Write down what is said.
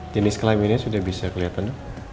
jenis kelaminnya sudah bisa kelihatan